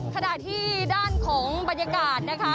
ขณะที่ด้านของบรรยากาศนะคะ